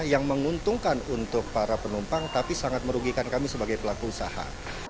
yang menguntungkan untuk para penumpang tapi sangat merugikan kami sebagai pelaku usaha